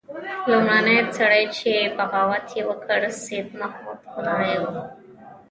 لومړنی سړی چې بغاوت یې وکړ سید محمود کنړی وو.